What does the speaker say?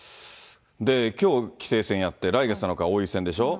で、きょう棋聖戦やって、来月７日王位戦でしょう。